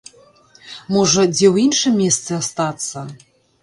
Можа, дзе ў іншым месцы астацца?